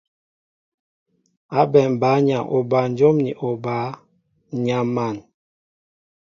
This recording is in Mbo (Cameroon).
Ábɛm bǎyaŋ obanjóm ni obǎ, ǹ yam̀an.